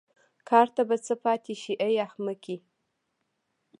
کار ته به څه پاتې شي ای احمقې.